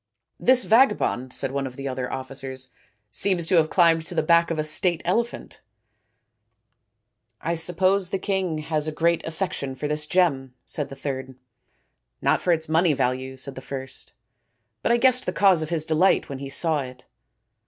" This vagabond," said one of the other officers, " seems to have climbed to the back of a state elephant." " I suppose the king has a great affection for this gem," said the third. " Not for its money value," said the first, " but I guessed the cause of his delight when he saw it."